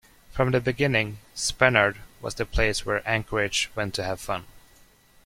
From the beginning, Spenard was the place where Anchorage went to have fun.